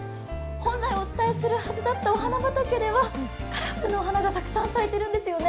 本来お伝えするはずだったお花畑ではカラフルなお花がたくさん咲いてるんですよね。